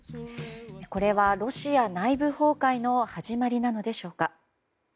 これは、ロシア内部崩壊の始まりなのでしょうか。